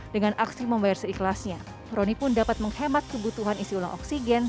dengan aksi membayar seikhlasnya roni pun dapat menghemat kebutuhan isi ulang oksigen